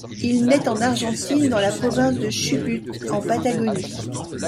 Il naît en Argentine dans la province de Chubut, en Patagonie.